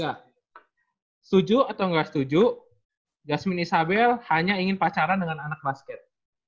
nama tiga setuju atau enggak setuju jasmine isabel hanya ingin pacaran dengan anak basket